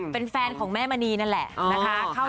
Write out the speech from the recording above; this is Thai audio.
เป็นแฟนของแม่มณีนั่นแหละนะคะ